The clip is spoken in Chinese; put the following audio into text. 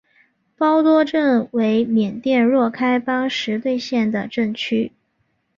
包多镇为缅甸若开邦实兑县的镇区。